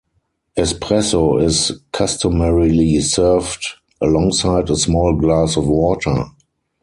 Espresso is customarily served alongside a small glass of water.